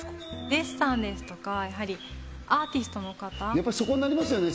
デッサンですとかやはりアーティストの方やっぱそこになりますよね